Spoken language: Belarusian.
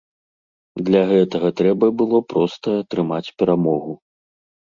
Для гэтага трэба было проста атрымаць перамогу.